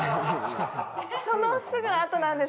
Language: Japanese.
そのすぐあとなんです。